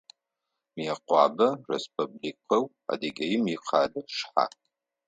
Мыекъуапэ Республикэу Адыгеим икъэлэ шъхьаӏ.